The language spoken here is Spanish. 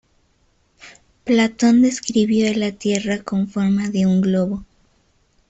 Platón describió a la Tierra con forma de un globo.